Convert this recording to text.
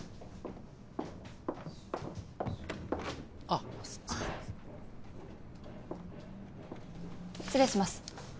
あっ失礼します